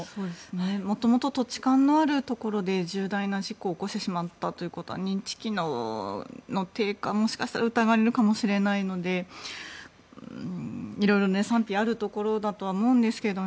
元々土地勘のあるところで重大な事故を起こしてしまったということは認知機能の低下をもしかしたら疑われるかもしれないので色々、賛否あるところだとは思うんですけど